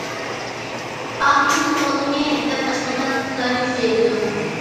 ئاقمۇچ سوغۇقنى ھەيدەپ ئاشقازان ئىقتىدارىنى كۈچەيتىدۇ.